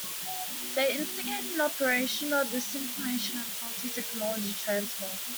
They instigated an operation of disinformation and faulty technology transfer.